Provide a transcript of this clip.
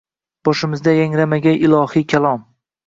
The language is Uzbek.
Boshimizda yangramagay ilohiy kalom.